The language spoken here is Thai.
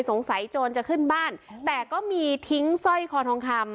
โจรจะขึ้นบ้านแต่ก็มีทิ้งสร้อยคอทองคำ